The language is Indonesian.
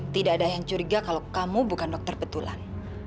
tidak ada yang curiga kalau kamu bukan dokter betulan